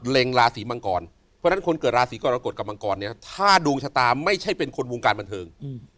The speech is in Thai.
ราศีมังกรเพราะฉะนั้นคนเกิดราศีกรกฎกับมังกรเนี่ยถ้าดวงชะตาไม่ใช่เป็นคนวงการบันเทิง